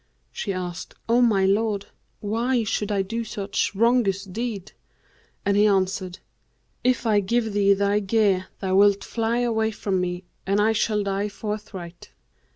She asked, 'O my lord, why should I do such wrongous deed?'; and he answered, 'If I give thee thy gear thou wilt fly away from me, and I shall die forthright.'